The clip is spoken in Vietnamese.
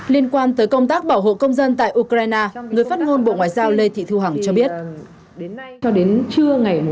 liên quan tới công tác bảo hộ công dân tại ukraine người phát ngôn bộ ngoại giao lê thị thu hằng cho biết